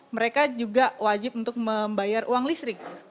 mereka juga wajib untuk membayar uang listrik